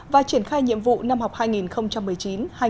và triển khai nhiệm vụ năm học hai nghìn một mươi chín hai nghìn hai mươi